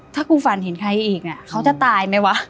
ถ้ากูฝันเห็นใครอีกเขาจะตายไหมวะ